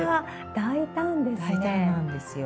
大胆なんですよ。